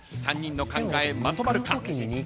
３人の考えまとまるか？